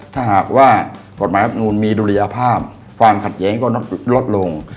ถ้าหากว่ากฎหมายรับนูลมีดุลยภาพความขัดแย้งก็ลดลง